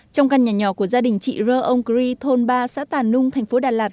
trong căn nhà nhỏ của gia đình chị rơ ông cri thôn ba xã tà nung thành phố đà lạt